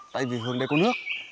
tại vì hướng đây có nước